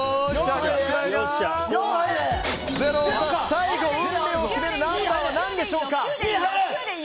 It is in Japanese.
最後、運命を決めるナンバーは何でしょうか。